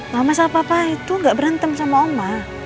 mama sama papa itu gak berantem sama oma